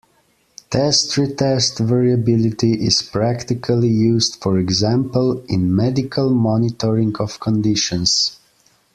Test-retest variability is practically used, for example, in medical monitoring of conditions.